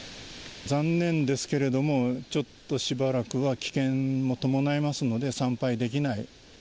残念ですけれども、ちょっとしばらくは危険も伴いますので、参拝できない。